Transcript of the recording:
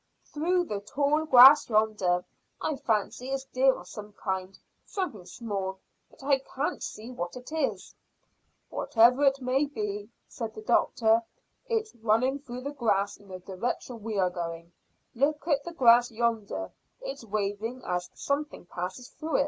"Through the tall grass yonder. I fancy it's deer of some kind; something small, but I can't see what it is." "Whatever it may be," said the doctor, "it's running through the grass in the direction we are going. Look at the grass yonder, it's waving as something passes through."